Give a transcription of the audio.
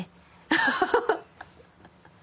アッハハハ。